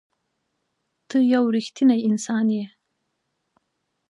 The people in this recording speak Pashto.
ته یو رښتنی انسان یې.